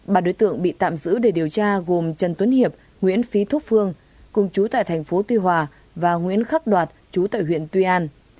ba đối tượng bị tạm giữ để điều tra gồm trần tuấn hiệp nguyễn phí thúc phương cùng chú tại thành phố tuy hòa và nguyễn khắc đoạt chú tại huyện tuy an